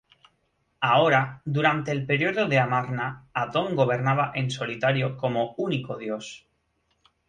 Ahora, durante el periodo de Amarna, Atón gobernaba en solitario como único dios.